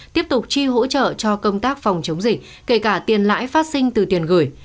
tiếp tục chi hỗ trợ cho công tác phòng chống dịch kể cả tiền lãi phát sinh từ tiền gửi